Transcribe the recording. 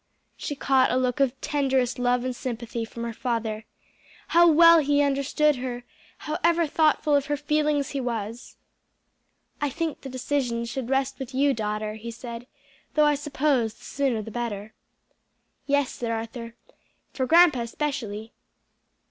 She caught a look of tenderest love and sympathy from her father. How well he understood her! How ever thoughtful of her feelings he was! "I think the decision should rest with you, daughter," he said; "though I suppose the sooner the better." "Yes," said Arthur; "for grandpa especially."